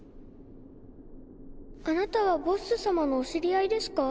あなたはボッス様のお知り合いですか？